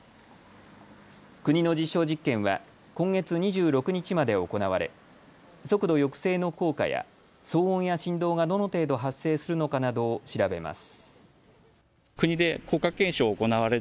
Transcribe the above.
国の実証実験は今月２６日まで行われ速度抑制の効果や騒音や振動がどの程度発生するのかなどを調べます。